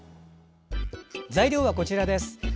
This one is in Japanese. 材料はこちらです。